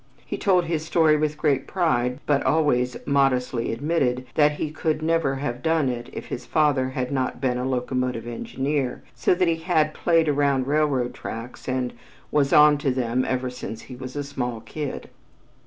He told his story with great pride, but always modestly admitted that he could never have done it if his father had not been a locomotive engineer so that he had played around railroad tracks and "was onto them ever since he was a small kid."